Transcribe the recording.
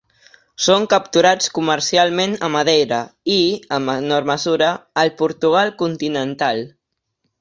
Són capturats comercialment a Madeira i, en menor mesura, al Portugal continental.